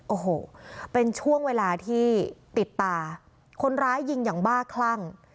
โอ้โหเป็นช่วงเวลาที่ติดตาคนร้ายยิงอย่างบ้าคลั่ง